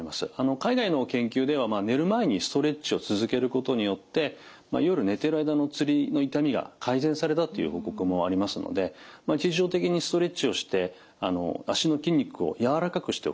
海外の研究では寝る前にストレッチを続けることによって夜寝てる間のつりの痛みが改善されたっていう報告もありますので日常的にストレッチをして足の筋肉を柔らかくしておく。